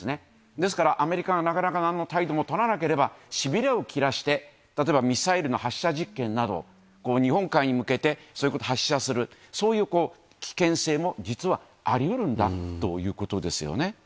ですからアメリカが、なかなかなんの態度も取らなければ、しびれを切らして、例えば、ミサイルの発射実験など、日本海に向けてそれこそ発射する、そういう危険性も実はありうるんだということですよね。